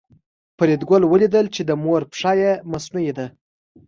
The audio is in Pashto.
فریدګل ولیدل چې د مور پښه یې مصنوعي ده